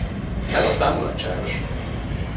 Ez aztán mulatságos!